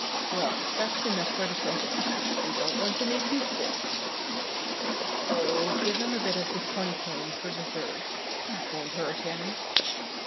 "Well, that's enough for the present. We don't want to make you sick." "Oh, give him a bit of this honey comb for dessert That won't hurt him."